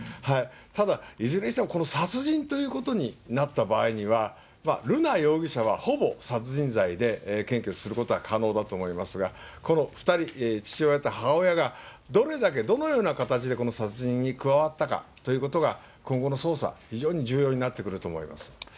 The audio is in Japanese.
ただ、いずれにしてもこの殺人ということになった場合には、瑠奈容疑者はほぼ殺人罪で検挙することは可能だと思いますが、この２人、父親と母親がどれだけ、どのような形でこの殺人に加わったかということが、今後の捜査、非常に重要になってくると思います。